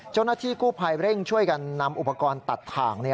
เจ้าหน้าที่กู้ภัยเร่งช่วยกันนำอุปกรณ์ตัดถ่าง